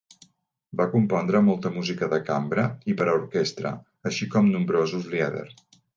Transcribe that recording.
Va compondre molta música de cambra i per a orquestra, així com nombrosos lieder.